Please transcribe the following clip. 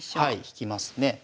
はい引きますね。